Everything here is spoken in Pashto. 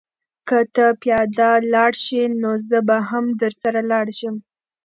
که ته پیاده لاړ شې نو زه به هم درسره لاړ شم.